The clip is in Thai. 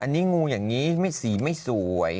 อันนี้งูอย่างนี้ไม่สีไม่สวย